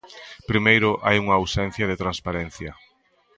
Primeiro, hai unha ausencia de transparencia.